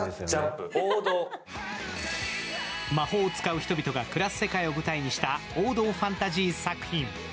魔法を使う人々が暮らす世界を舞台にした王道ファンタジー作品。